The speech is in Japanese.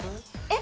「え？